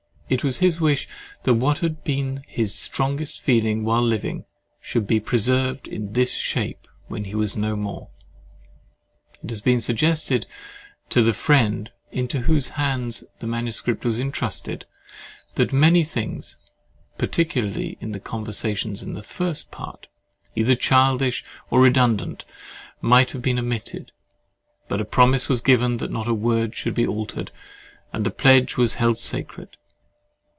It was his wish that what had been his strongest feeling while living, should be preserved in this shape when he was no more.—It has been suggested to the friend, into whose hands the manuscript was entrusted, that many things (particularly in the Conversations in the First Part) either childish or redundant, might have been omitted; but a promise was given that not a word should be altered, and the pledge was held sacred.